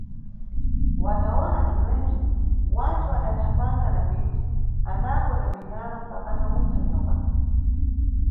Watawona bzimwebzi wanthu adathamanga na miti, anango na minyala mpakana kupha nyoka.